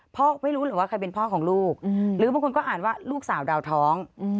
ไม่รู้หรือว่าใครเป็นพ่อของลูกหรือบางคนก็อ่านว่าลูกสาวดาวท้อง